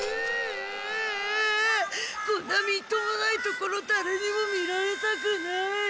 こんなみっともないところだれにも見られたくない。